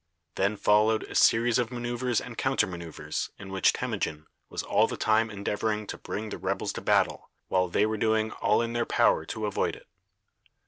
Then followed a series of manoeuvres and counter manoeuvres, in which Temujin was all the time endeavoring to bring the rebels to battle, while they were doing all in their power to avoid it.